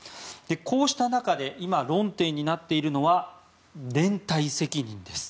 こうした中で論点になっているのは連帯責任です。